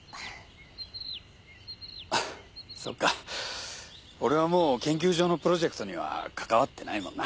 そうか俺はもう研究所のプロジェクトには関わってないもんな。